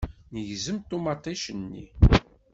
Negzem ṭumaṭic-nni.